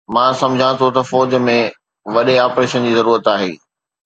مان سمجهان ٿو ته فوج ۾ وڏي آپريشن جي ضرورت آهي